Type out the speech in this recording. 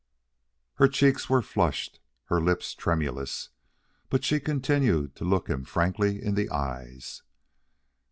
Her cheeks were flushed, her lips tremulous, but she continued to look him frankly in the eyes.